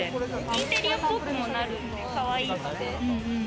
インテリアっぽくもなるんで、かわいい。